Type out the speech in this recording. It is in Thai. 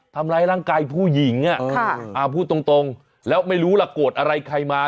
ทำร้ายร่างกายผู้หญิงพูดตรงแล้วไม่รู้ล่ะโกรธอะไรใครมา